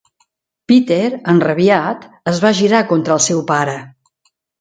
Peter, enrabiat, es va girar contra el seu pare.